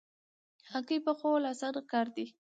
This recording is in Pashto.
هګۍ پخول اسانه کار دی